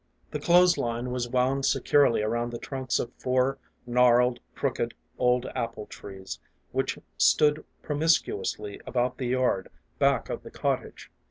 THE clothes line was wound securely around the trunks of four gnarled, crooked old apple trees, which stood pro miscuously about the yard back of the cottage.